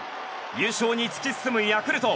優勝に突き進むヤクルト。